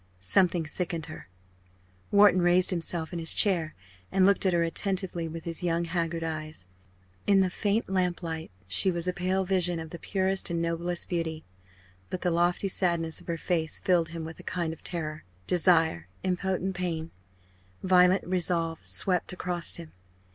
Something sickened her. Wharton raised himself in his chair and looked at her attentively with his young haggard eyes. In the faint lamplight she was a pale vision of the purest and noblest beauty. But the lofty sadness of her face filled him with a kind of terror. Desire impotent pain violent resolve, swept across him.